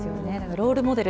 ロールモデル